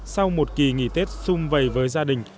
sau một kỳ nghỉ tết xung vầy với gia đình